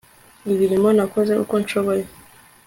Ibirimo Nakoze uko nshoboye